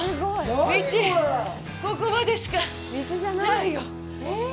道、ここまでしかないよ。